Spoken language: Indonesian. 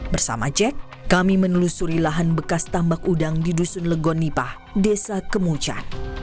bersama jack kami menelusuri lahan bekas tambak udang di dusun legonipah desa kemucan